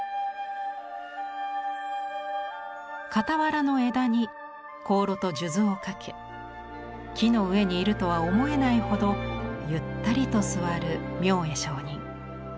傍らの枝に香炉と数珠を掛け木の上にいるとは思えないほどゆったりと坐る明恵上人。